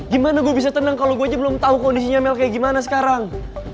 gimana gue bisa tenang kalau gue aja belum tahu kondisinya mel kayak gimana sekarang